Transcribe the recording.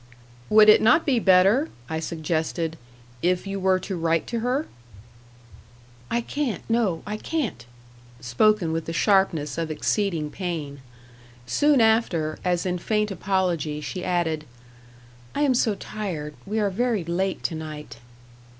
"Would it not be better," I suggested, "if you were to write to her?" "I can't; no, I can't," spoken with the sharpness of exceeding pain. Soon after, as in faint apology, she added, "I am so tired; we are very late to night."